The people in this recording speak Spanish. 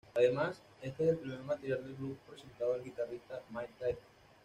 Además, este es el primer material del grupo presentando al guitarrista Mick Taylor.